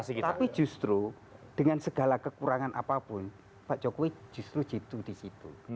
bahaya tapi justru dengan segala kekurangan apapun pak jokowi justru cintu